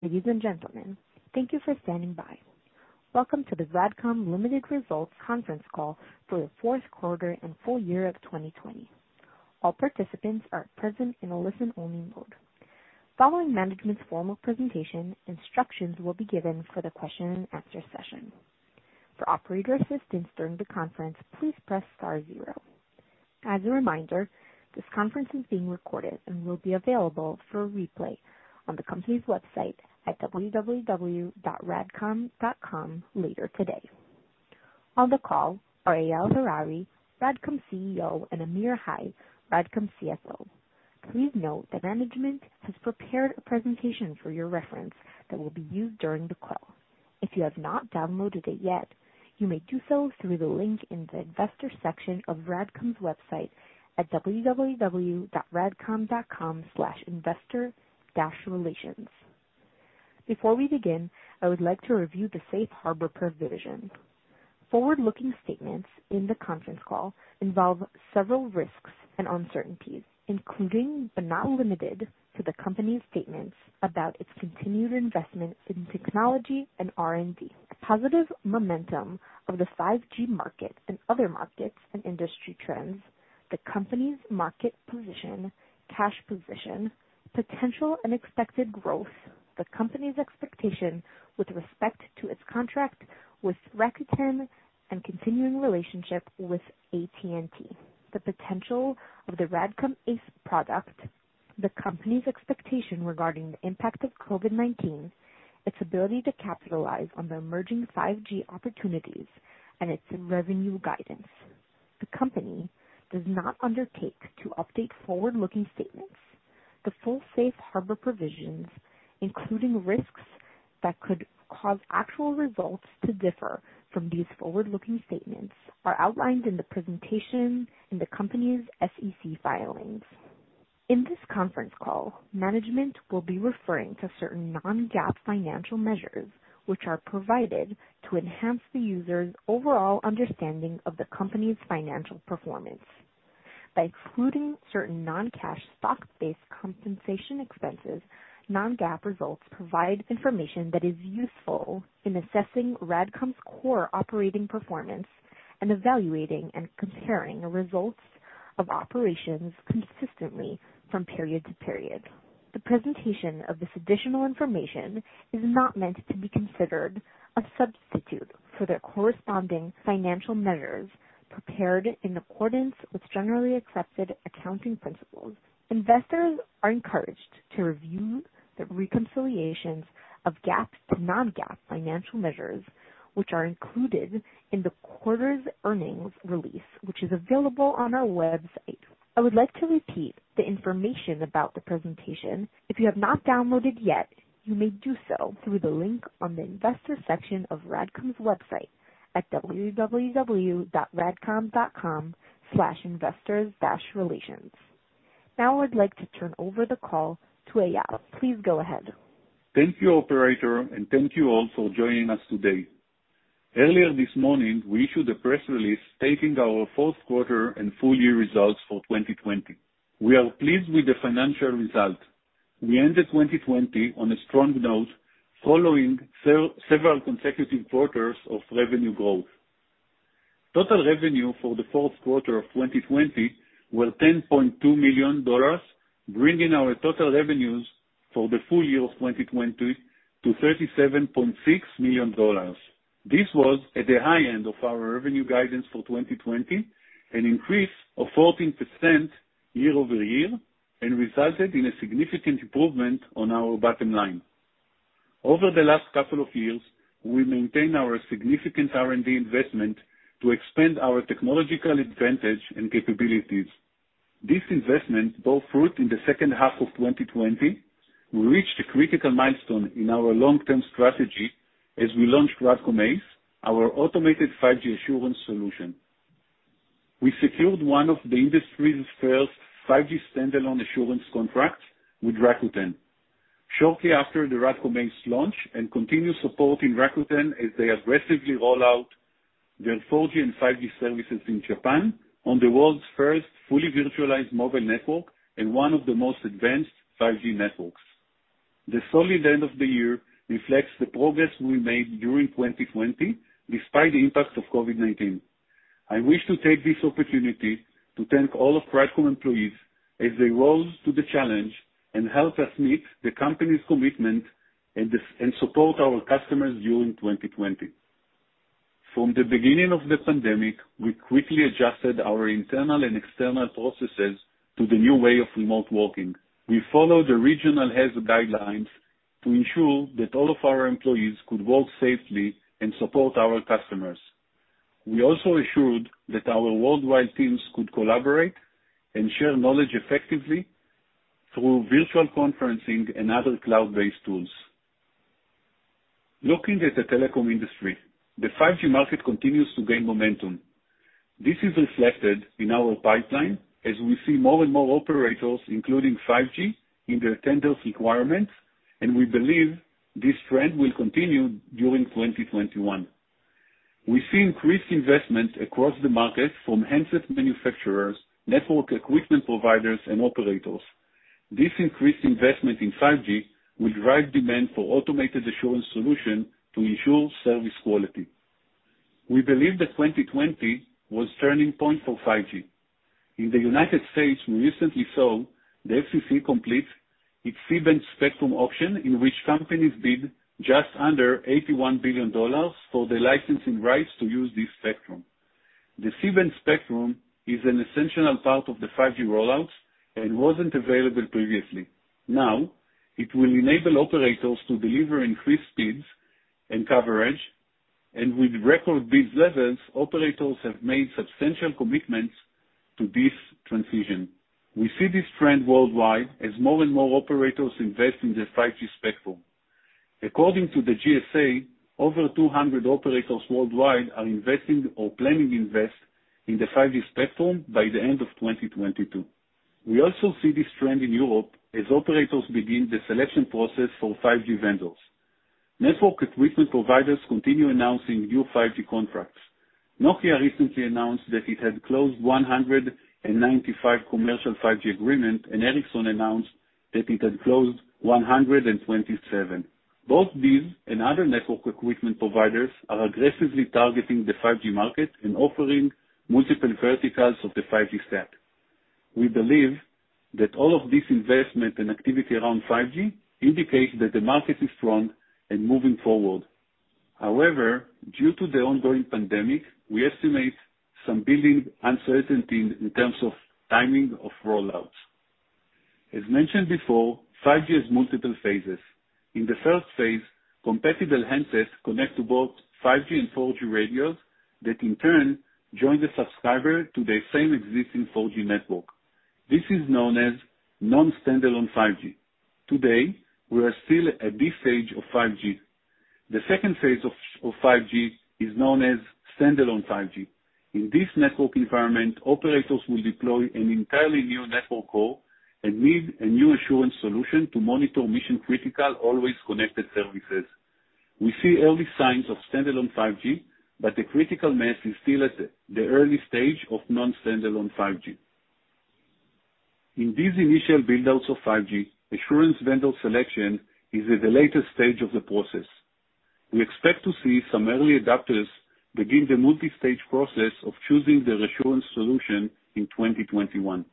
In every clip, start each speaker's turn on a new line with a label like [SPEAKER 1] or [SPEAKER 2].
[SPEAKER 1] Ladies and gentlemen, thank you for standing by. Welcome to the RADCOM Ltd. Results Conference Call for the fourth quarter and full year of 2020. All participants are present in a listen-only mode. Following management's formal presentation, instructions will be given for the question-and-answer session. For operator assistance during the conference, please press star zero. As a reminder, this conference is being recorded and will be available for replay on the company's website at www.radcom.com later today. On the call are Eyal Harari, RADCOM CEO, and Amir Hai, RADCOM CFO. Please note that management has prepared a presentation for your reference that will be used during the call. If you have not downloaded it yet, you may do so through the link in the investor section of RADCOM's website at www.radcom.com/investor-relations. Before we begin, I would like to review the Safe Harbor provision. Forward-looking statements in the conference call involve several risks and uncertainties, including but not limited to the company's statements about its continued investment in technology and R&D. Positive momentum of the 5G market and other markets and industry trends, the company's market position, cash position, potential unexpected growth, the company's expectation with respect to its contract with Rakuten and continuing relationship with AT&T, the potential of the RADCOM ACE product, the company's expectation regarding the impact of COVID-19, its ability to capitalize on the emerging 5G opportunities, and its revenue guidance. The company does not undertake to update forward-looking statements. The full Safe Harbor provisions, including risks that could cause actual results to differ from these forward-looking statements, are outlined in the presentation in the company's SEC filings. In this conference call, management will be referring to certain non-GAAP financial measures, which are provided to enhance the user's overall understanding of the company's financial performance. By excluding certain non-cash stock-based compensation expenses, non-GAAP results provide information that is useful in assessing RADCOM's core operating performance and evaluating and comparing results of operations consistently from period to period. The presentation of this additional information is not meant to be considered a substitute for their corresponding financial measures prepared in accordance with generally accepted accounting principles. Investors are encouraged to review the reconciliations of GAAP to non-GAAP financial measures, which are included in the quarter's earnings release, which is available on our website. I would like to repeat the information about the presentation. If you have not downloaded yet, you may do so through the link on the Investor section of RADCOM's website at www.radcom.com/investor-relations. Now, I would like to turn over the call to Eyal. Please go ahead.
[SPEAKER 2] Thank you, Operator, and thank you all for joining us today. Earlier this morning, we issued a press release stating our fourth quarter and full year results for 2020. We are pleased with the financial result. We ended 2020 on a strong note following several consecutive quarters of revenue growth. Total revenue for the fourth quarter of 2020 were $10.2 million, bringing our total revenues for the full year of 2020 to $37.6 million. This was at the high end of our revenue guidance for 2020, an increase of 14% year-over-year, and resulted in a significant improvement on our bottom line. Over the last couple of years, we maintained our significant R&D investment to expand our technological advantage and capabilities. This investment bore fruit in the second half of 2020. We reached a critical milestone in our long-term strategy as we launched RADCOM ACE, our automated 5G assurance solution. We secured one of the industry's first 5G standalone assurance contracts with Rakuten shortly after the RADCOM ACE launch and continue supporting Rakuten as they aggressively roll out their 4G and 5G services in Japan on the world's first fully virtualized mobile network and one of the most advanced 5G networks. The solid end of the year reflects the progress we made during 2020, despite the impact of COVID-19. I wish to take this opportunity to thank all of RADCOM employees as they rose to the challenge and helped us meet the company's commitment and support our customers during 2020. From the beginning of the pandemic, we quickly adjusted our internal and external processes to the new way of remote working. We followed the regional health guidelines to ensure that all of our employees could work safely and support our customers. We also assured that our worldwide teams could collaborate and share knowledge effectively through virtual conferencing and other cloud-based tools. Looking at the telecom industry, the 5G market continues to gain momentum. This is reflected in our pipeline as we see more and more operators including 5G in their tenders requirements, and we believe this trend will continue during 2021. We see increased investment across the market from handset manufacturers, network equipment providers, and operators. This increased investment in 5G will drive demand for automated assurance solution to ensure service quality. We believe that 2020 was a turning point for 5G. In the United States, we recently saw the FCC complete its C-band spectrum auction, in which companies bid just under $81 billion for the licensing rights to use this spectrum. The C-band spectrum is an essential part of the 5G rollouts and wasn't available previously. Now, it will enable operators to deliver increased speeds and coverage. And with record bid levels, operators have made substantial commitments to this transition. We see this trend worldwide as more and more operators invest in the 5G spectrum. According to the GSA, over 200 operators worldwide are investing or planning to invest in the 5G spectrum by the end of 2022. We also see this trend in Europe as operators begin the selection process for 5G vendors. Network equipment providers continue announcing new 5G contracts. Nokia recently announced that it had closed 195 commercial 5G agreements, and Ericsson announced that it had closed 127. Both these and other network equipment providers are aggressively targeting the 5G market and offering multiple verticals of the 5G stack. We believe that all of this investment and activity around 5G indicates that the market is strong and moving forward. However, due to the ongoing pandemic, we estimate some building uncertainty in terms of timing of rollouts. As mentioned before, 5G has multiple phases. In the first phase, compatible handsets connect to both 5G and 4G radios, that in turn join the subscriber to the same existing 4G network. This is known as non-standalone 5G. Today, we are still at this stage of 5G. The second phase 2 of 5G is known as standalone 5G. In this network environment, operators will deploy an entirely new network core and need a new assurance solution to monitor mission-critical, always-connected services. We see early signs of standalone 5G, but the critical mass is still at the early stage of non-standalone 5G. In these initial build-outs of 5G, assurance vendor selection is at the latest stage of the process. We expect to see some early adopters begin the multi-stage process of choosing their assurance solution in 2021.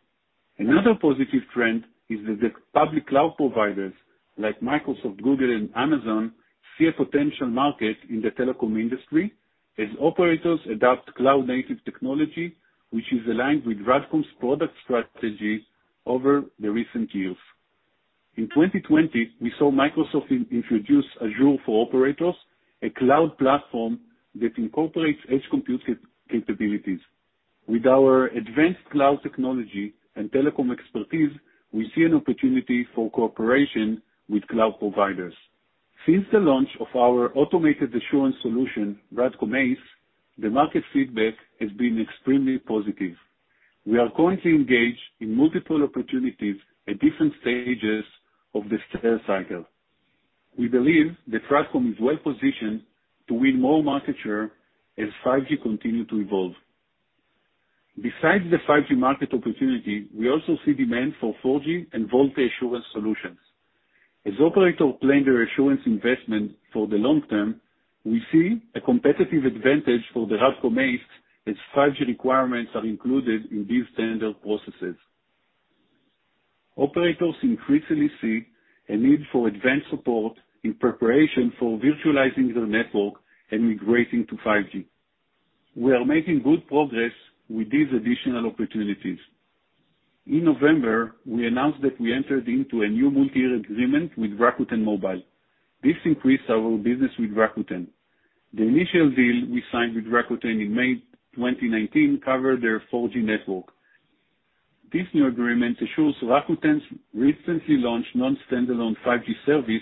[SPEAKER 2] Another positive trend is that the public cloud providers like Microsoft, Google, and Amazon see a potential market in the telecom industry as operators adopt cloud-native technology, which is aligned with RADCOM's product strategy over the recent years. In 2020, we saw Microsoft introduce Azure for Operators, a cloud platform that incorporates edge compute capabilities. With our advanced cloud technology and telecom expertise, we see an opportunity for cooperation with cloud providers. Since the launch of our automated assurance solution, RADCOM ACE, the market feedback has been extremely positive. We are currently engaged in multiple opportunities at different stages of the sales cycle. We believe that RADCOM is well positioned to win more market share as 5G continue to evolve. Besides the 5G market opportunity, we also see demand for 4G and VoLTE assurance solutions. As operators plan their assurance investment for the long term, we see a competitive advantage for the RADCOM ACE as 5G requirements are included in these standard processes. Operators increasingly see a need for advanced support in preparation for virtualizing their network and migrating to 5G. We are making good progress with these additional opportunities. In November, we announced that we entered into a new multi-year agreement with Rakuten Mobile. This increased our business with Rakuten. The initial deal we signed with Rakuten in May 2019 covered their 4G network. This new agreement assures Rakuten's recently launched non-standalone 5G service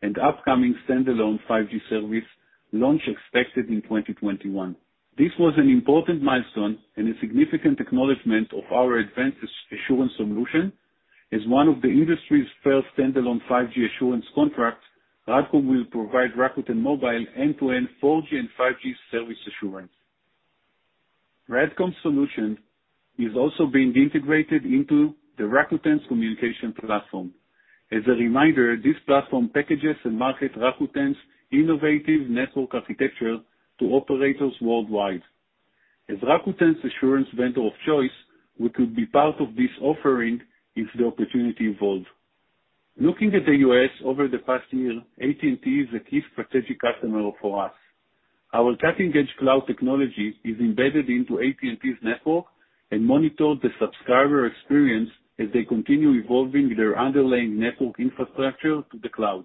[SPEAKER 2] and upcoming standalone 5G service launch expected in 2021. This was an important milestone and a significant acknowledgment of our advanced assurance solution. As one of the industry's first standalone 5G assurance contracts, RADCOM will provide Rakuten Mobile end-to-end 4G and 5G service assurance. RADCOM's solution is also being integrated into the Rakuten's communication platform. As a reminder, this platform packages and markets Rakuten's innovative network architecture to operators worldwide. As Rakuten's assurance vendor of choice, we could be part of this offering if the opportunity evolves. Looking at the U.S. over the past year, AT&T is a key strategic customer for us. Our cutting-edge cloud technology is embedded into AT&T's network and monitored the subscriber experience as they continue evolving their underlying network infrastructure to the cloud.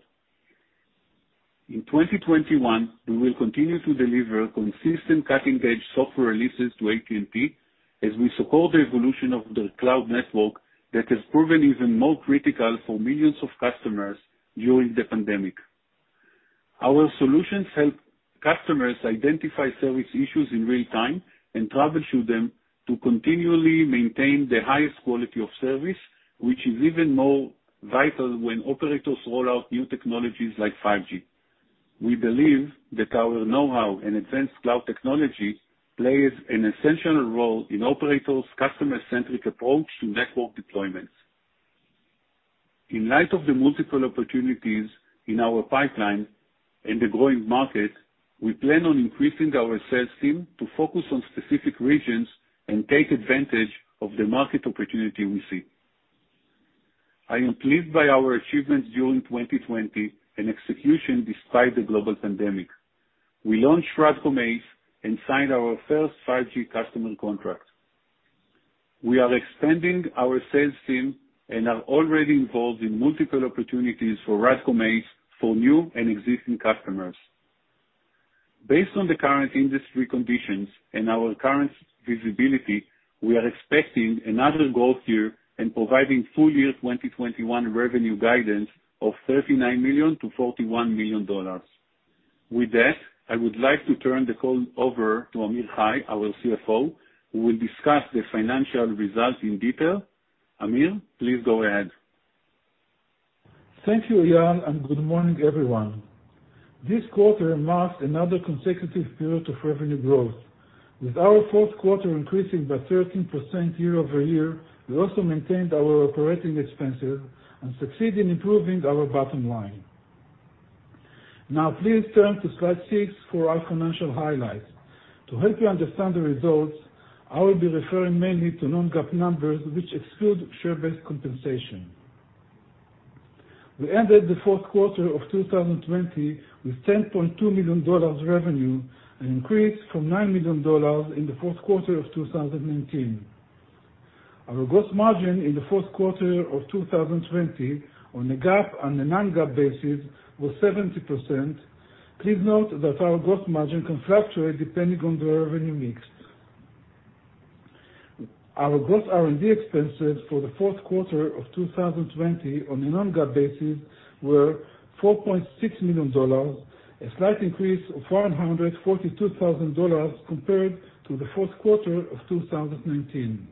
[SPEAKER 2] In 2021, we will continue to deliver consistent cutting-edge software releases to AT&T as we support the evolution of their cloud network that has proven even more critical for millions of customers during the pandemic. Our solutions help customers identify service issues in real time and troubleshoot them to continually maintain the highest quality of service, which is even more vital when operators roll out new technologies like 5G. We believe that our know-how in advanced cloud technology plays an essential role in operators' customer-centric approach to network deployments. In light of the multiple opportunities in our pipeline and the growing market, we plan on increasing our sales team to focus on specific regions and take advantage of the market opportunity we see. I am pleased by our achievements during 2020 and execution despite the global pandemic. We launched RADCOM ACE and signed our first 5G customer contract. We are expanding our sales team and are already involved in multiple opportunities for RADCOM ACE for new and existing customers. Based on the current industry conditions and our current visibility, we are expecting another growth year and providing full-year 2021 revenue guidance of $39 million-$41 million. With that, I would like to turn the call over to Amir Hai, our CFO, who will discuss the financial results in detail. Amir, please go ahead.
[SPEAKER 3] Thank you, Eyal, and good morning, everyone. This quarter marks another consecutive period of revenue growth. With our fourth quarter increasing by 13% year-over-year, we also maintained our operating expenses and succeed in improving our bottom line. Now, please turn to slide six for our financial highlights. To help you understand the results, I will be referring mainly to non-GAAP numbers, which exclude share-based compensation. We ended the fourth quarter of 2020 with $10.2 million revenue, an increase from $9 million in the fourth quarter of 2019. Our gross margin in the fourth quarter of 2020 on a GAAP and a non-GAAP basis was 70%. Please note that our gross margin can fluctuate depending on the revenue mix. Our gross R&D expenses for the fourth quarter of 2020 on a non-GAAP basis were $4.6 million, a slight increase of $442,000 compared to the fourth quarter of 2019.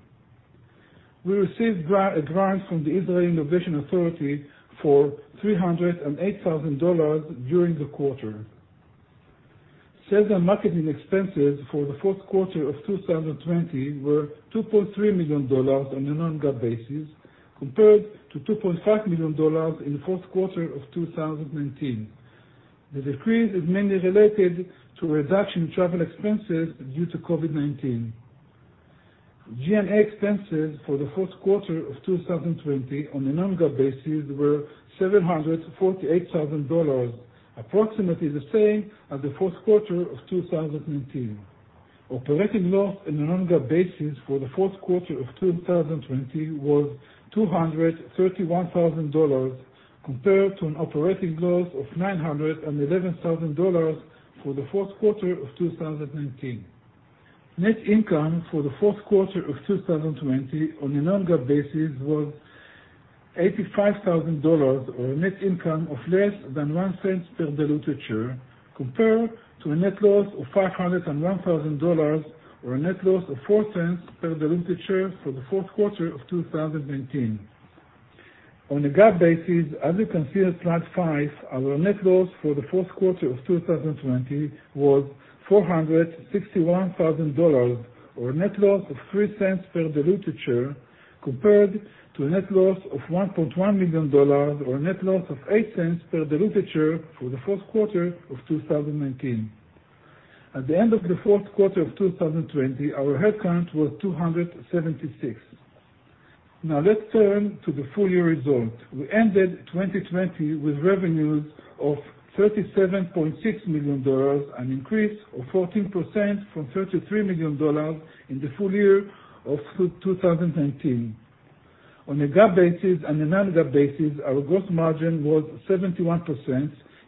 [SPEAKER 3] We received a grant from the Israel Innovation Authority for $308,000 during the quarter. Sales and marketing expenses for the fourth quarter of 2020 were $2.3 million on a non-GAAP basis, compared to $2.5 million in the fourth quarter of 2019. The decrease is mainly related to a reduction in travel expenses due to COVID-19. G&A expenses for the fourth quarter of 2020 on a non-GAAP basis were $748,000, approximately the same as the fourth quarter of 2019. Operating loss on a non-GAAP basis for the fourth quarter of 2020 was $231,000, compared to an operating loss of $911,000 for the fourth quarter of 2019. Net income for the fourth quarter of 2020 on a non-GAAP basis was $85,000, or a net income of less than $0.01 per diluted share, compared to a net loss of $501,000, or a net loss of $0.04 per diluted share for the fourth quarter of 2019. On a GAAP basis, as you can see on slide five, our net loss for the fourth quarter of 2020 was $461,000, or a net loss of $0.03 per diluted share, compared to a net loss of $1.1 million, or a net loss of $0.08 per diluted share for the fourth quarter of 2019. At the end of the fourth quarter of 2020, our headcount was 276. Now, let's turn to the full year results. We ended 2020 with revenues of $37.6 million, an increase of 14% from $33 million in the full year of 2019. On a GAAP basis and a non-GAAP basis, our gross margin was 71%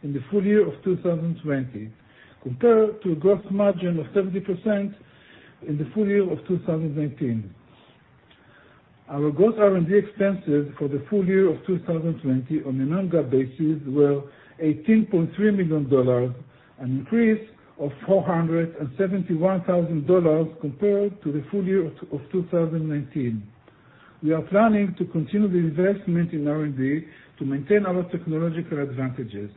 [SPEAKER 3] in the full year of 2020, compared to a gross margin of 70% in the full year of 2019. Our gross R&D expenses for the full year of 2020 on a non-GAAP basis were $18.3 million, an increase of $471,000 compared to the full year of 2019. We are planning to continue the investment in R&D to maintain our technological advantages.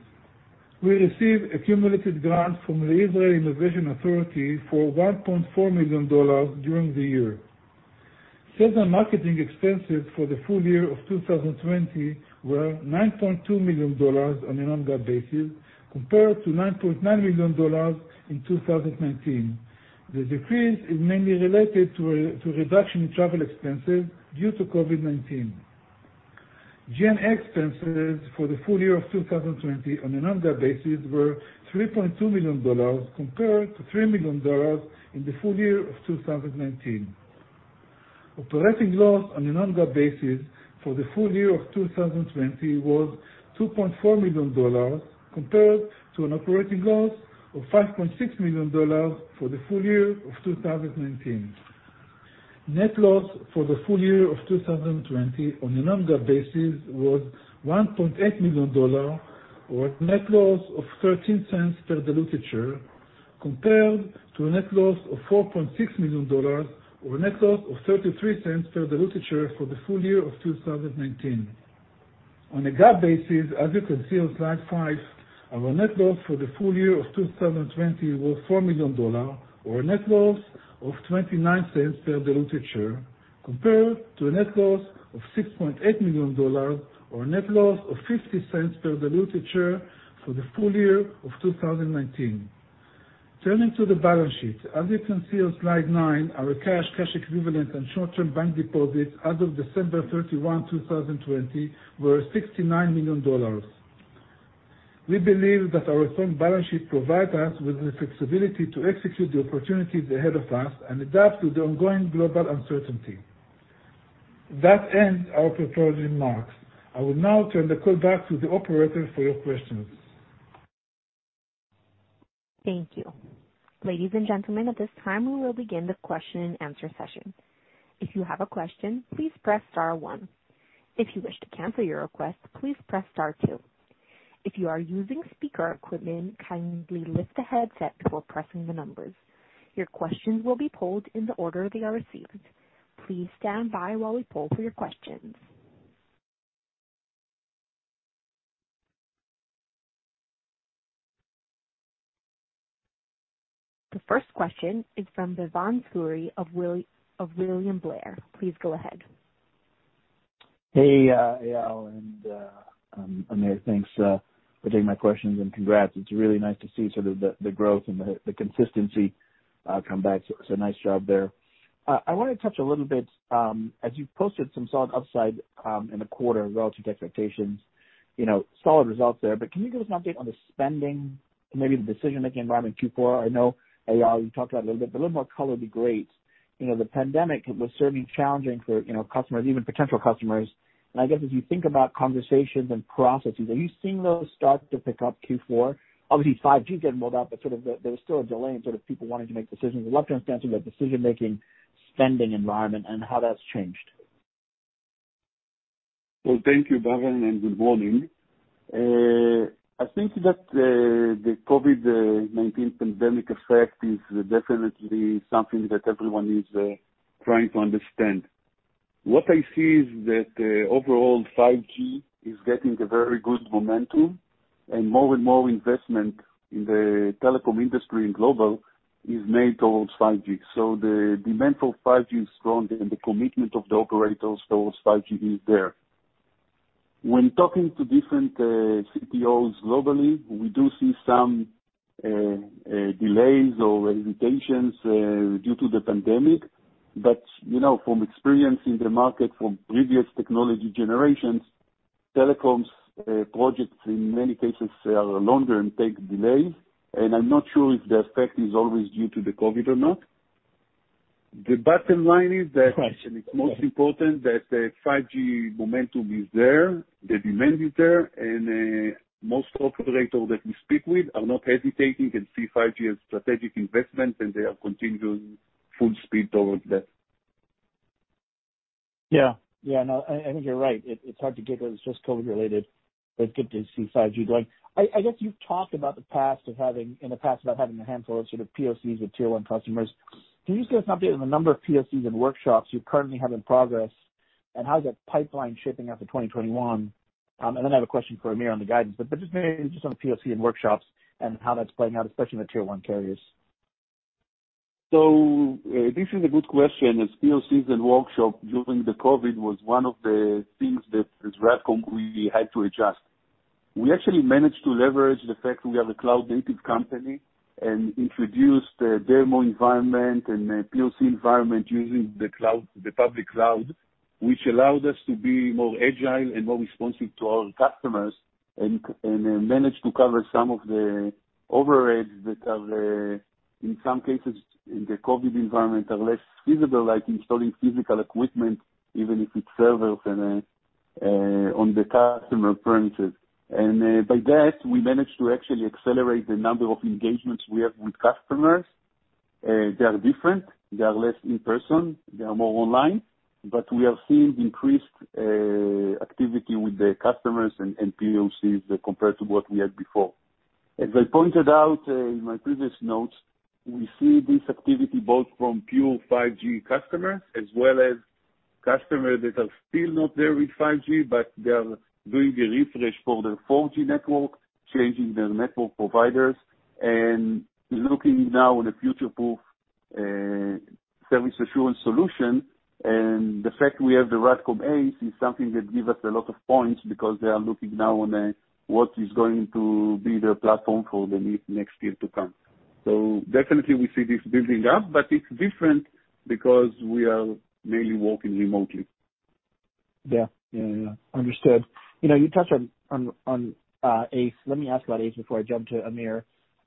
[SPEAKER 3] We received a cumulative grant from the Israel Innovation Authority for $1.4 million during the year. Sales and marketing expenses for the full year of 2020 were $9.2 million on a non-GAAP basis, compared to $9.9 million in 2019. The decrease is mainly related to a reduction in travel expenses due to COVID-19. G&A expenses for the full year of 2020 on a non-GAAP basis were $3.2 million, compared to $3 million in the full year of 2019. Operating loss on a non-GAAP basis for the full year of 2020 was $2.4 million, compared to an operating loss of $5.6 million for the full year of 2019. Net loss for the full year of 2020 on a non-GAAP basis was $1.8 million, or a net loss of $0.13 per diluted share Compared to a net loss of $4.6 million, or a net loss of $0.33 per diluted share for the full year of 2019. On a GAAP basis, as you can see on slide five, our net loss for the full year of 2020 was $4 million, or a net loss of $0.29 per diluted share compared to a net loss of $6.8 million, or a net loss of $0.50 per diluted share for the full year of 2019. Turning to the balance sheet, as you can see on slide nine, our cash equivalents, and short-term bank deposits as of December 31, 2020, were $69 million. We believe that our strong balance sheet provides us with the flexibility to execute the opportunities ahead of us and adapt to the ongoing global uncertainty. That ends our prepared remarks. I will now turn the call back to the operator for your questions.
[SPEAKER 1] Thank you. Ladies and gentlemen, at this time, we will begin the question-and-answer session. If you have a question, please press star one. If you wish to cancel your request, please press star two. If you are using speaker equipment, kindly lift the headset before pressing the numbers. Your questions will be polled in the order they are received. Please stand by while we poll for your questions. The first question is from Bhavan Suri of William Blair. Please go ahead.
[SPEAKER 4] Hey, Eyal and Amir, thanks for taking my questions, and congrats. It's really nice to see the growth and the consistency come back, so nice job there. I want to touch a little bit, as you posted some solid upside in the quarter relative to expectations, solid results there, but can you give us an update on the spending, maybe the decision-making environment in Q4? I know, Eyal, you talked about it a little bit, but a little more color would be great. The pandemic was certainly challenging for customers, even potential customers, and I guess as you think about conversations and processes, are you seeing those start to pick up Q4? Obviously, 5G is getting rolled out, but there was still a delay in people wanting to make decisions. I'd love to understand the decision-making spending environment and how that's changed.
[SPEAKER 2] Well, thank you, Bhavan, and good morning. I think that the COVID-19 pandemic effect is definitely something that everyone is trying to understand. What I see is that overall 5G is getting a very good momentum and more and more investment in the telecom industry in global is made towards 5G. The demand for 5G is strong, and the commitment of the operators towards 5G is there. When talking to different CPOs globally, we do see some delays or hesitations due to the pandemic. From experience in the market from previous technology generations, telecoms projects, in many cases, are longer and take delays, and I'm not sure if the effect is always due to the COVID or not. The bottom line is that-
[SPEAKER 4] Right.
[SPEAKER 2] it's most important that 5G momentum is there, the demand is there, and most operators that we speak with are not hesitating and see 5G as strategic investment, and they are continuing full speed towards that.
[SPEAKER 4] Yeah. Yeah. No, I think you're right. It's hard to get what is just COVID-related, but good to see 5G growing. I guess you've talked in the past about having a handful of POCs with Tier 1 customers. Can you just give us an update on the number of POCs and workshops you currently have in progress, and how is that pipeline shaping up for 2021? And then I have a question for Amir on the guidance, but just maybe just on the POC and workshops and how that's playing out, especially in the Tier 1 carriers.
[SPEAKER 2] This is a good question. As POCs and workshop during the COVID was one of the things that, as RADCOM, we had to adjust. We actually managed to leverage the fact we are a cloud-native company and introduced a demo environment and a POC environment using the cloud, the public cloud, which allowed us to be more agile and more responsive to our customers, and managed to cover some of the overage that are, in some cases, in the COVID environment, are less feasible, like installing physical equipment, even if it's servers on the customer premises. By that, we managed to actually accelerate the number of engagements we have with customers. They are different. They are less in-person. They are more online. But we have seen increased activity with the customers and POCs compared to what we had before. As I pointed out in my previous notes, we see this activity both from pure 5G customers as well as customers that are still not there with 5G, but they are doing a refresh for their 4G network, changing their network providers, and looking now in the future-proof service assurance solution. The fact we have the RADCOM ACE is something that gives us a lot of points because they are looking now on what is going to be their platform for the next year to come. Definitely, we see this building up, but it's different because we are mainly working remotely.
[SPEAKER 4] Yeah. No. Understood. You touched on ACE. Let me ask about ACE before I jump to Amir.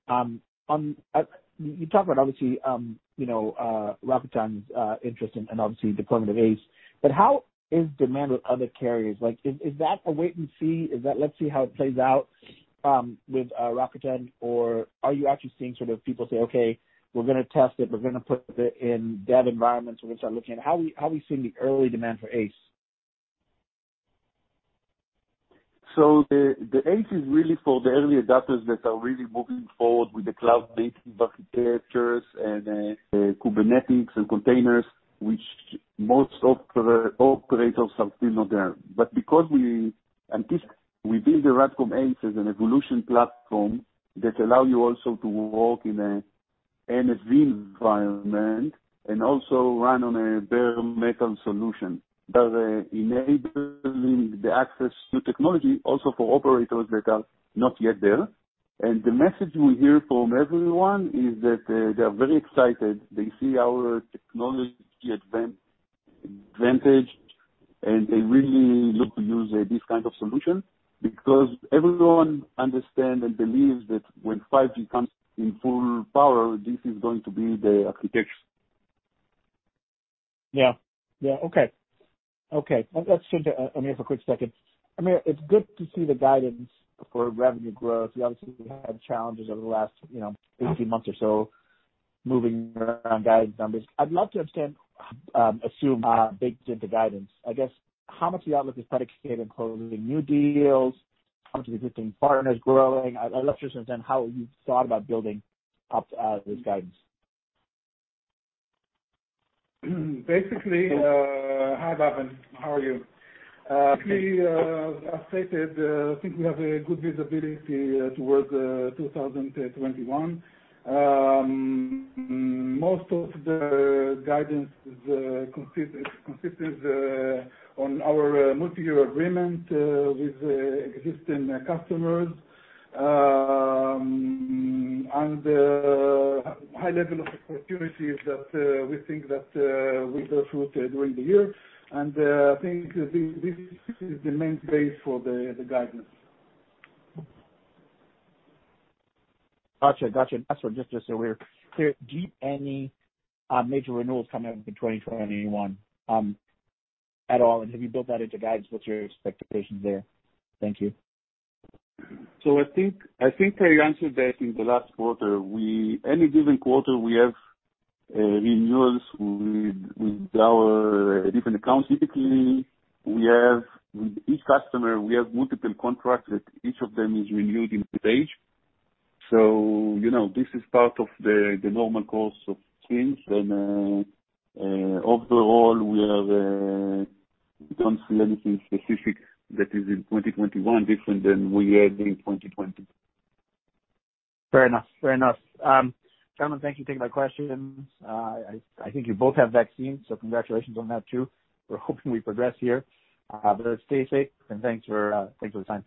[SPEAKER 4] You talked about, obviously, Rakuten's interest and obviously deployment of ACE, but how is demand with other carriers? Is that a wait-and-see? Is that let's see how it plays out with Rakuten? Or are you actually seeing people say, "Okay, we're going to test it. We're going to put it in dev environments. We're going to start looking at it." How are we seeing the early demand for ACE?
[SPEAKER 2] The ACE is really for the early adopters that are really moving forward with the cloud-native architectures and Kubernetes and containers, which most operators are still not there. But because we built the RADCOM ACE as an evolution platform that allows you also to work in an NFV environment and also run on a bare metal solution, that enabling the access to technology also for operators that are not yet there. The message we hear from everyone is that they are very excited. They see our technology advantage, and they really look to use this kind of solution, because everyone understand and believes that when 5G comes in full power, this is going to be the architecture.
[SPEAKER 4] Yeah. Yeah. Okay. Let's switch to Amir for a quick second. Amir, it's good to see the guidance for revenue growth. We obviously have had challenges over the last 18 months or so moving around guidance numbers. I'd love to understand, assume, baked into guidance, I guess, how much of the outlook is predicated on closing new deals, how much of existing partners growing? I'd love to understand how you thought about building up this guidance.
[SPEAKER 3] Basically, hi, Bhavan. How are you? Actually, as stated, I think we have a good visibility towards 2021. Most of the guidance consists on our multi-year agreement with existing customers, and the high level of opportunities that we think that will go through during the year. I think this is the main base for the guidance.
[SPEAKER 4] Got you. Got you. Last one, just so we're clear, do any major renewals coming up in 2021 at all? Have you built that into guidance? What's your expectations there? Thank you.
[SPEAKER 2] I think I answered that in the last quarter. We, any given quarter, we have renewals with our different accounts. Typically, we have, with each customer, we have multiple contracts that each of them is renewed in stage. This is part of the normal course of things. Overall, we have, don't see anything specific that is in 2021 different than we had in 2020.
[SPEAKER 4] Fair enough. Fair enough. Gentlemen, thank you for taking my questions. I think you both have vaccines, so congratulations on that, too. We're hoping we progress here. Stay safe, and thanks for the time.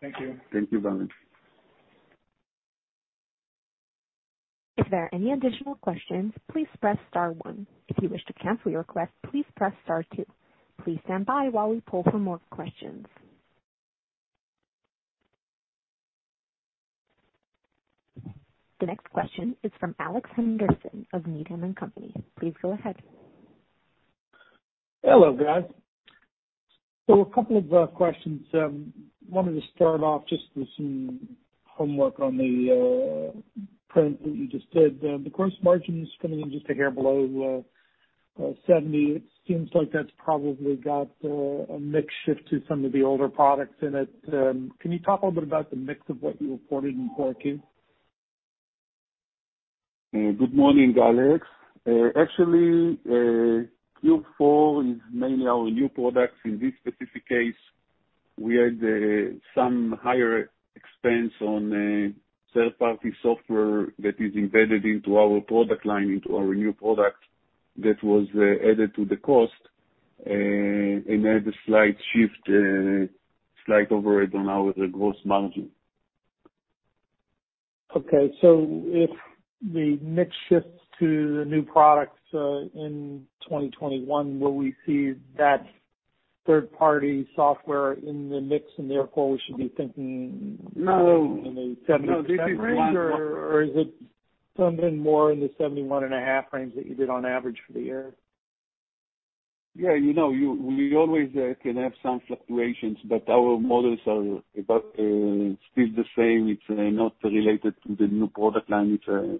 [SPEAKER 3] Thank you.
[SPEAKER 2] Thank you, Bhavan.
[SPEAKER 1] If there are any additional questions, please press star one. If you wish to cancel your request, please press star two. Please stand by while we poll for more questions. The next question is from Alex Henderson of Needham & Company. Please go ahead.
[SPEAKER 5] Hello, guys. A couple of questions. Wanted to start off just with some homework on the print that you just did. The gross margin's coming in just a hair below 70%. It seems like that's probably got a mix shift to some of the older products in it. Can you talk a little bit about the mix of what you reported in 4Q?
[SPEAKER 2] Good morning, Alex. Actually, Q4 is mainly our new products. In this specific case, we had some higher expense on third-party software that is embedded into our product line, into our new product, that was added to the cost, and had a slight shift, slight over on our gross margin.
[SPEAKER 5] Okay. If the mix shifts to the new products, in 2021, will we see that third-party software in the mix, and therefore we should be thinking-
[SPEAKER 2] No.
[SPEAKER 5] More in the 70% range, or is it something more in the 71.5% frames that you did on average for the year?
[SPEAKER 2] Yeah. We always can have some fluctuations, but our models are about still the same. It's not related to the new product line. It's a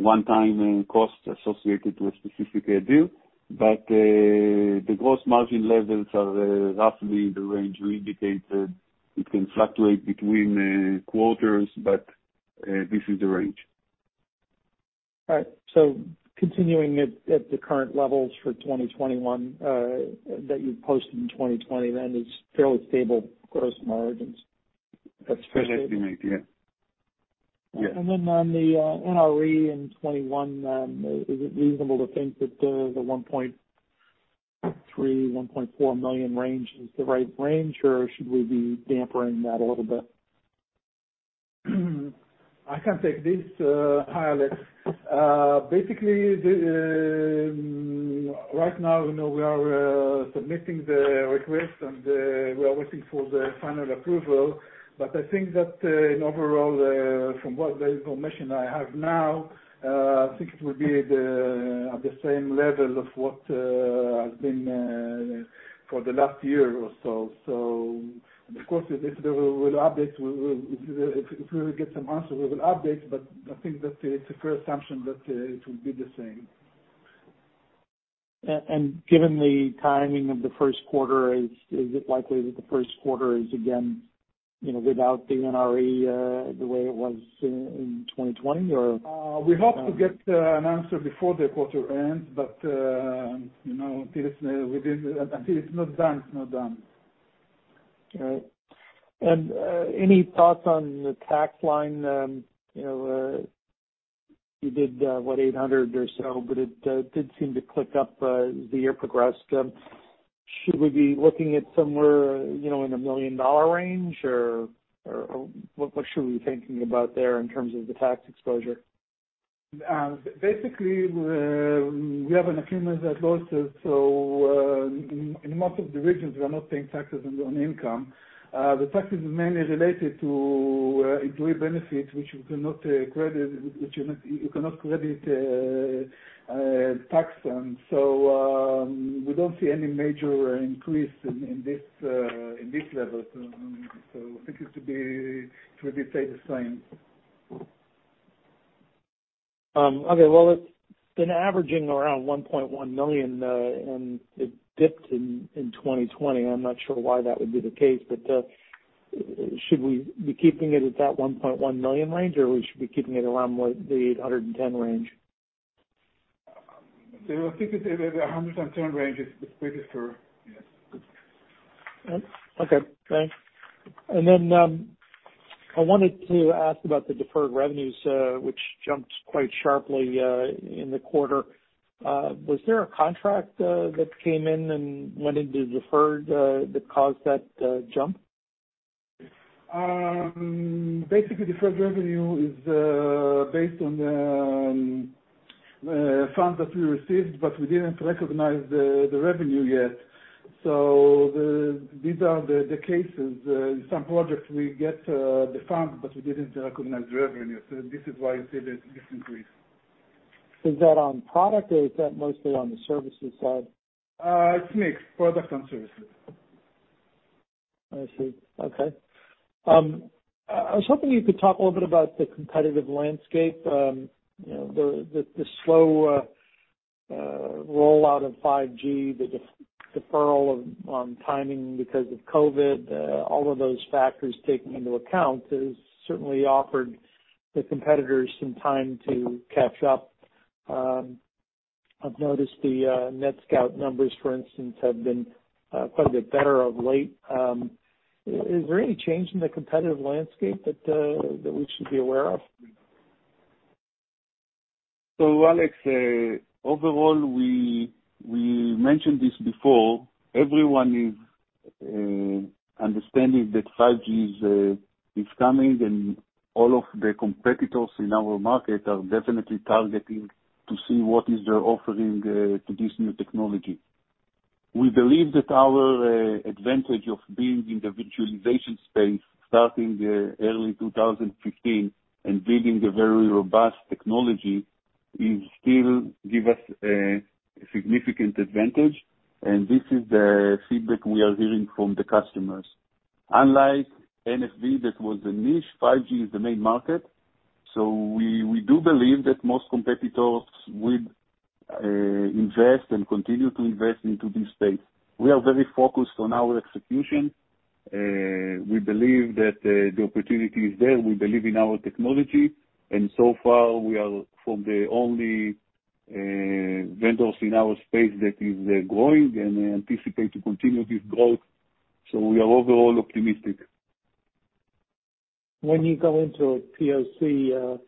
[SPEAKER 2] one-time cost associated to a specific deal. But the gross margin levels are roughly the range we indicated. It can fluctuate between quarters, but this is the range.
[SPEAKER 5] All right. Continuing at the current levels for 2021, that you posted in 2020, then it's fairly stable gross margins. That's fair to say?
[SPEAKER 2] That's the idea. Yeah.
[SPEAKER 5] On the NRE in 2021, is it reasonable to think that the $1.3, $1.4 million range is the right range, or should we be dampening that a little bit?
[SPEAKER 3] I can take this, Alex. Basically, right now, we are submitting the request, and we are waiting for the final approval. But I think that in overall, from what little information I have now, I think it will be at the same level of what has been for the last year or so. Of course, if we will get some answers, we will update, but I think that it's a fair assumption that it will be the same.
[SPEAKER 5] And given the timing of the first quarter, is it likely that the first quarter is again without the NRE, the way it was in 2020 or?
[SPEAKER 3] We hope to get an answer before the quarter ends, but until it's not done, it's not done.
[SPEAKER 5] All right. Any thoughts on the tax line? You did what, $800 or so, but it did seem to tick up as the year progressed. Should we be looking at somewhere in a million-dollar range, or what should we be thinking about there in terms of the tax exposure?
[SPEAKER 3] Basically, we have an accumulated losses, so in most of the regions, we are not paying taxes on income. The taxes are mainly related to employee benefits, which you cannot credit, which you not, you cannot credit tax on. We don't see any major increase in this, in this level, so I think it should stay the same.
[SPEAKER 5] Okay. Well, it's been averaging around $1.1 million, and it dipped in 2020. I'm not sure why that would be the case, but should we be keeping it at that $1.1 million range, or we should be keeping it around the $810 range?
[SPEAKER 3] I think the $810 range is pretty sure, yes.
[SPEAKER 5] Okay, thanks. And then I wanted to ask about the deferred revenues, which jumped quite sharply in the quarter. Was there a contract that came in and went into deferred that caused that jump?
[SPEAKER 3] Basically, deferred revenue is based on funds that we received, but we didn't recognize the revenue yet. These are the cases. In some projects, we get the fund, but we didn't recognize the revenue, so this is why you see this increase.
[SPEAKER 5] Is that on product, or is that mostly on the services side?
[SPEAKER 3] It's mixed, product and services.
[SPEAKER 5] I see. Okay. I was hoping you could talk a little bit about the competitive landscape. The slow rollout of 5G, the deferral on timing because of COVID, all of those factors taken into account, has certainly offered the competitors some time to catch up. I've noticed the NETSCOUT numbers, for instance, have been quite a bit better of late. Is there any change in the competitive landscape that we should be aware of?
[SPEAKER 2] Alex, overall, we mentioned this before, everyone is understanding that 5G is coming, and all of the competitors in our market are definitely targeting to see what is their offering to this new technology. We believe that our advantage of being in the virtualization space, starting early 2015 and building a very robust technology will still give us a significant advantage, and this is the feedback we are hearing from the customers. Unlike NFV, that was a niche, 5G is the main market. We do believe that most competitors will invest and continue to invest into this space. We are very focused on our execution. We believe that the opportunity is there. We believe in our technology, and so far, we are from the only vendors in our space that is growing and anticipate to continue this growth. We are overall optimistic.
[SPEAKER 5] When you go into a POC,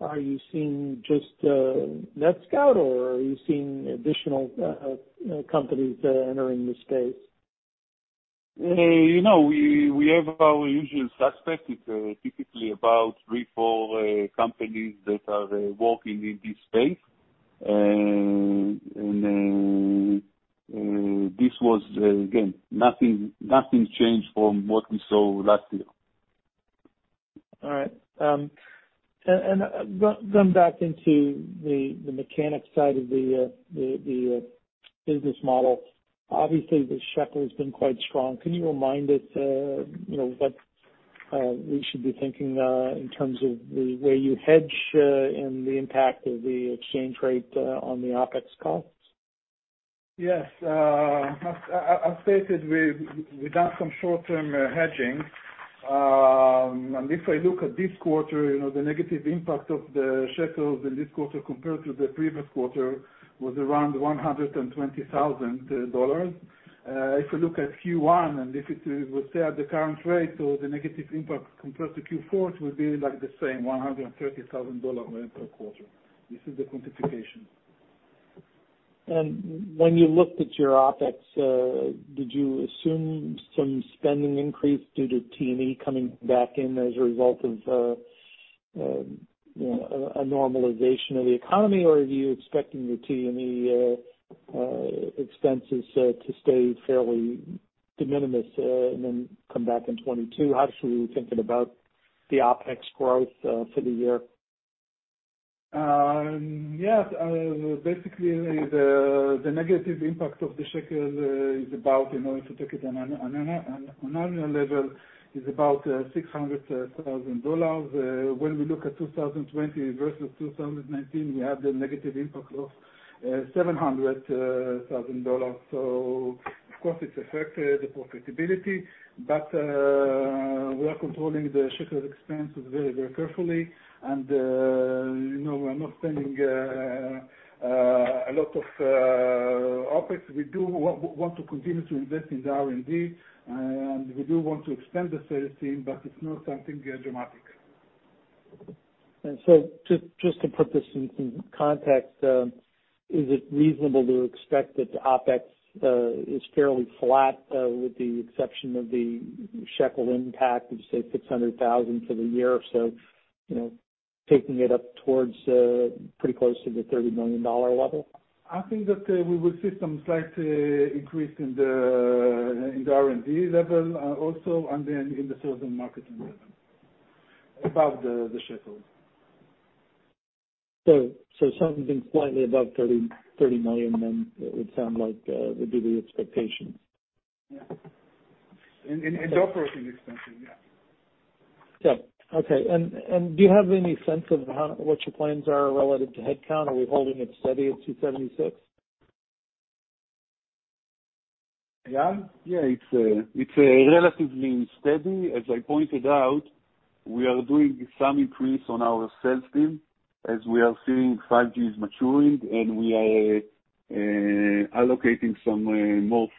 [SPEAKER 5] are you seeing just NETSCOUT, or are you seeing additional companies entering the space?
[SPEAKER 2] We have our usual suspects. It's typically about three, four companies that are working in this space, and this was again, nothing changed from what we saw last year.
[SPEAKER 5] All right. Going back into the mechanic side of the business model, obviously, the shekel has been quite strong. Can you remind us what we should be thinking in terms of the way you hedge and the impact of the exchange rate on the OpEx costs?
[SPEAKER 3] Yes. As stated, we've done some short-term hedging. If I look at this quarter, the negative impact of the shekels in this quarter compared to the previous quarter was around $120,000. If you look at Q1, and if it will stay at the current rate, so the negative impact compared to Q4, it will be like the same, $130,000 per quarter. This is the quantification.
[SPEAKER 5] And when you looked at your OpEx, did you assume some spending increase due to T&E coming back in as a result of a normalization of the economy? Or are you expecting your T&E expenses to stay fairly de minimis, and then come back in 2022? How should we be thinking about the OpEx growth for the year?
[SPEAKER 3] Yes. Basically, the negative impact of the shekel, if you take it on an annual level, is about $600,000. When we look at 2020 versus 2019, we had a negative impact of $700,000. Of course, it's affected the profitability, but we are controlling the shekel expense very carefully, and we are not spending a lot of OpEx. We do want to continue to invest in the R&D, and we do want to expand the sales team, but it's not something dramatic.
[SPEAKER 5] And just to put this into context, is it reasonable to expect that the OpEx is fairly flat, with the exception of the shekel impact of, say, $600,000 for the year or so, taking it up towards pretty close to the $30 million level?
[SPEAKER 3] I think that we will see some slight increase in the R&D level also, and then in the sales and marketing level. About the shekels.
[SPEAKER 5] Something slightly above $30 million then, it would sound like would be the expectation.
[SPEAKER 3] Yeah. In the operating expenses, yeah.
[SPEAKER 5] Yeah. Okay. Do you have any sense of what your plans are relative to headcount? Are we holding it steady at 276?
[SPEAKER 2] Yeah. It's relatively steady. As I pointed out, we are doing some increase on our sales team as we are seeing 5G is maturing, and we are allocating more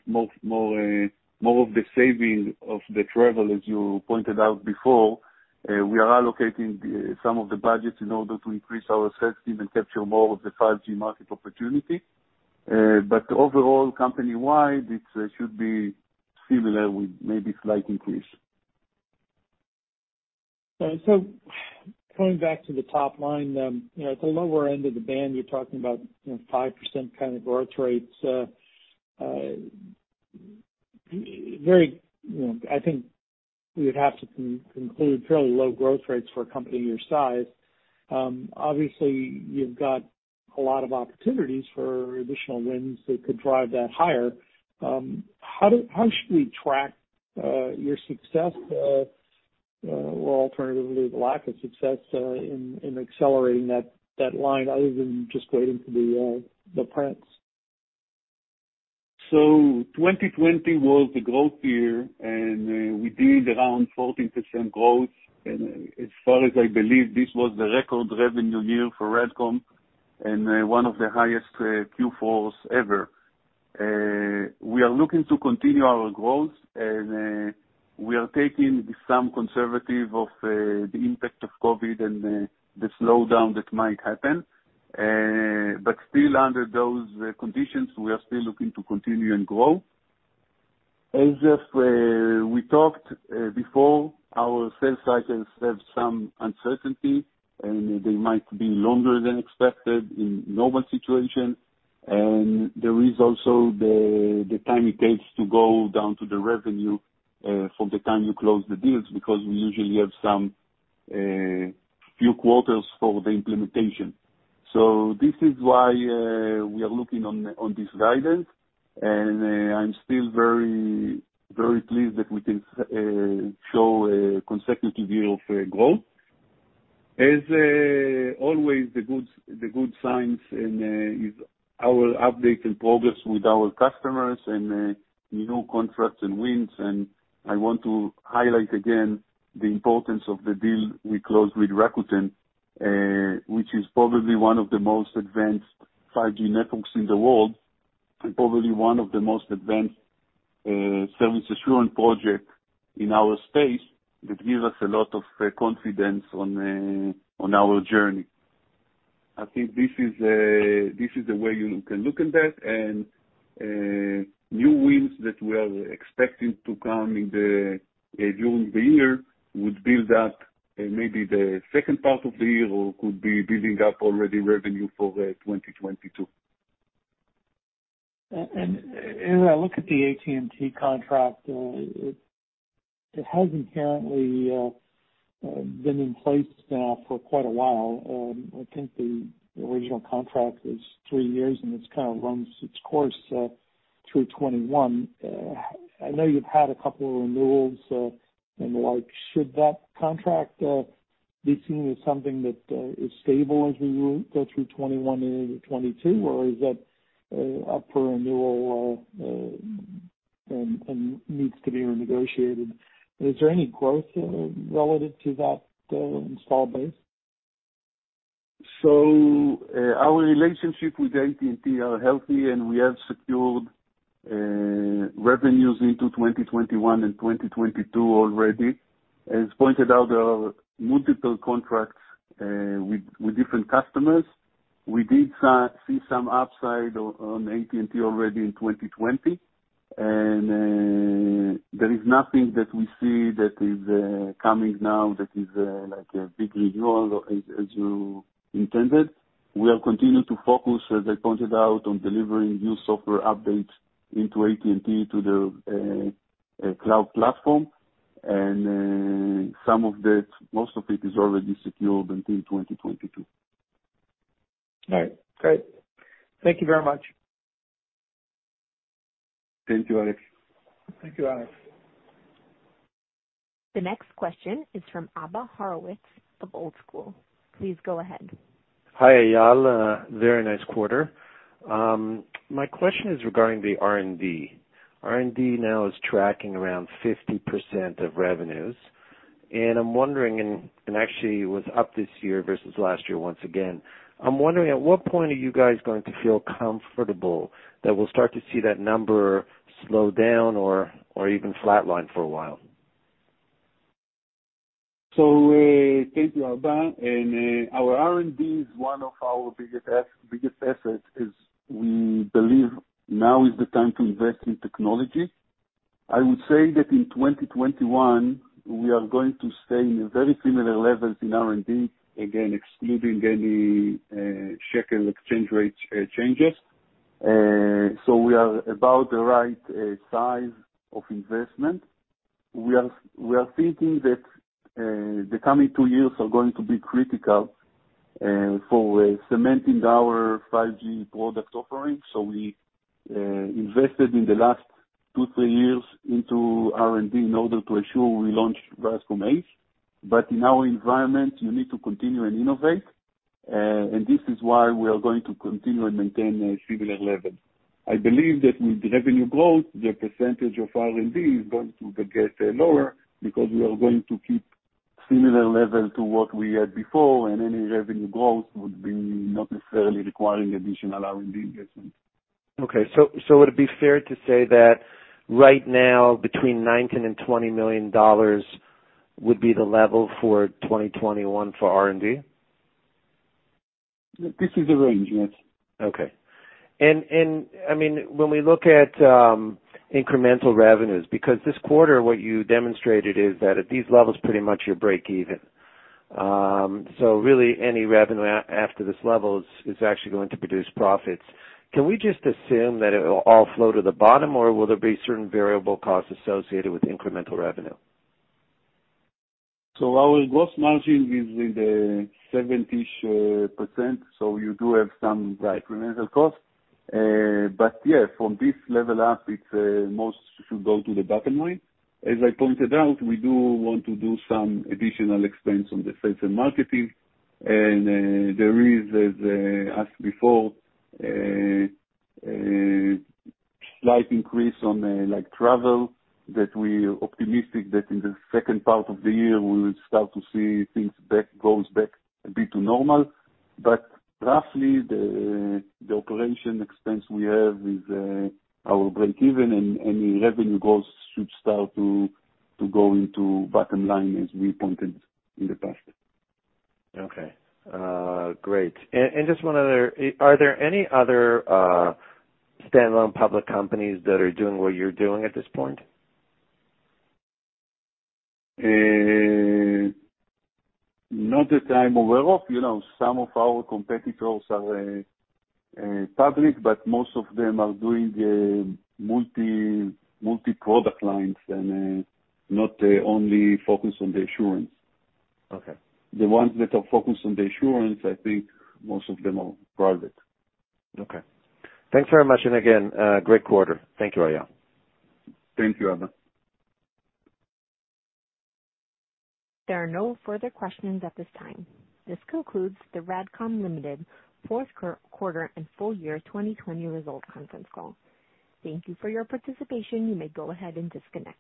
[SPEAKER 2] of the saving of the travel, as you pointed out before. We are allocating some of the budget in order to increase our sales team and capture more of the 5G market opportunity. overall, company-wide, it should be similar with maybe slight increase.
[SPEAKER 5] Coming back to the top line, at the lower end of the band, you're talking about 5% kind of growth rates. I think we would have to conclude fairly low growth rates for a company your size. Obviously, you've got a lot of opportunities for additional wins that could drive that higher. How should we track your success, or alternatively, the lack of success, in accelerating that line other than just waiting for the prints?
[SPEAKER 2] 2020 was the growth year, and we did around 14% growth. As far as I believe, this was the record revenue year for RADCOM and one of the highest Q4s ever. We are looking to continue our growth, and we are taking some conservative of the impact of COVID and the slowdown that might happen. Still under those conditions, we are still looking to continue and grow. As we talked before, our sales cycles have some uncertainty, and they might be longer than expected in normal situation. There is also the time it takes to go down to the revenue from the time you close the deals, because we usually have some few quarters for the implementation. This is why we are looking on this guidance, and I'm still very pleased that we can show a consecutive year of growth. As always, the good signs is our update and progress with our customers and new contracts and wins. I want to highlight again the importance of the deal we closed with Rakuten, which is probably one of the most advanced 5G networks in the world, and probably one of the most advanced service assurance project in our space that give us a lot of confidence on our journey. I think this is the way you can look at that, and new wins that we are expecting to come during the year would build up maybe the second part of the year, or could be building up already revenue for 2022.
[SPEAKER 5] As I look at the AT&T contract, it has apparently been in place now for quite a while. I think the original contract is three years, and it kind of runs its course through 2021. I know you've had a couple of renewals and the like. Should that contract be seen as something that is stable as we go through 2021 and into 2022, or is that up for renewal and needs to be renegotiated? Is there any growth relative to that install base?
[SPEAKER 2] Our relationship with AT&T are healthy, and we have secured revenues into 2021 and 2022 already. As pointed out, there are multiple contracts with different customers. We did see some upside on AT&T already in 2020. There is nothing that we see that is coming now that is like a big renewal, as you intended. We are continuing to focus, as I pointed out, on delivering new software updates into AT&T to the cloud platform. Most of it is already secured until 2022.
[SPEAKER 5] Right. Great. Thank you very much.
[SPEAKER 2] Thank you, Alex.
[SPEAKER 3] Thank you, Alex.
[SPEAKER 1] The next question is from Abba Horovitz of Old School. Please go ahead.
[SPEAKER 6] Hi, Eyal. A very nice quarter. My question is regarding the R&D. R&D now is tracking around 50% of revenues, and I'm wondering, and actually, it was up this year versus last year, once again. I'm wondering, at what point are you guys going to feel comfortable that we'll start to see that number slow down or even flat line for a while?
[SPEAKER 2] Thank you, Abba. Our R&D is one of our biggest assets, as we believe now is the time to invest in technology. I would say that in 2021, we are going to stay in very similar levels in R&D, again, excluding any shekel exchange rate changes. We are about the right size of investment. We are thinking that the coming two years are going to be critical for cementing our 5G product offering. We invested in the last two, three years into R&D in order to ensure we launch RADCOM ACE. But in our environment, you need to continue and innovate, and this is why we are going to continue and maintain a similar level. I believe that with revenue growth, the percentage of R&D is going to get lower because we are going to keep similar levels to what we had before, and any revenue growth would be not necessarily requiring additional R&D investment.
[SPEAKER 6] Okay, would it be fair to say that right now, between $19 million-$20 million would be the level for 2021 for R&D?
[SPEAKER 2] This is the range, yes.
[SPEAKER 6] Okay. When we look at incremental revenues, because this quarter, what you demonstrated is that at these levels, pretty much you break even. Really, any revenue after this level is actually going to produce profits. Can we just assume that it will all flow to the bottom, or will there be certain variable costs associated with incremental revenue?
[SPEAKER 2] Our gross margin is in the 70%-ish.
[SPEAKER 6] Right.
[SPEAKER 2] So we do have some incremental cost. Yeah, from this level up, it mostly should go to the bottom line. As I pointed out, we do want to do some additional expense on the sales and marketing. And there is, as asked before, a slight increase on travel that we are optimistic that in the second part of the year, we will start to see things goes back a bit to normal. But roughly, the operation expense we have is our break-even, and any revenue growth should start to go into bottom line as we pointed in the past.
[SPEAKER 6] Okay. Great. Just one other, are there any other standalone public companies that are doing what you're doing at this point?
[SPEAKER 2] Not that I'm aware of. Some of our competitors are public, but most of them are doing multi-product lines and not only focused on the assurance.
[SPEAKER 6] Okay.
[SPEAKER 2] The ones that are focused on the assurance, I think most of them are private.
[SPEAKER 6] Okay. Thanks very much. Again, great quarter. Thank you, Eyal.
[SPEAKER 2] Thank you, Abba.
[SPEAKER 1] There are no further questions at this time. This concludes the RADCOM Ltd. fourth quarter and full year 2020 result conference call. Thank you for your participation. You may go ahead and disconnect.